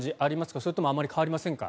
それともあまり変わりませんか？